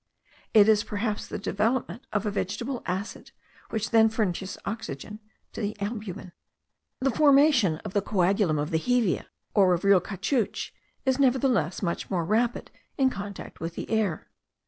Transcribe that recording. It is perhaps the development of a vegetable acid which then furnishes oxygen to the albumen. The formation of the coagulum of the hevea, or of real caoutchouc, is nevertheless much more rapid in contact with the air.